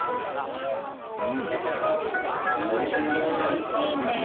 おいしいねえ。